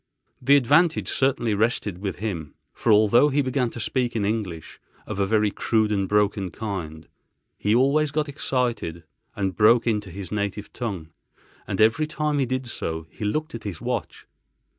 The advantage certainly rested with him, for although he began to speak in English, of a very crude and broken kind, he always got excited and broke into his native tongue—and every time he did so, he looked at his watch.